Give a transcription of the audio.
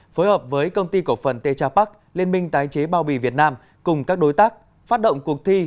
phối hợp với công ty cổ phần tê tra pắc liên minh tái chế bao bì việt nam cùng các đối tác phát động cuộc thi